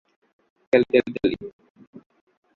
Tally, tally, tally.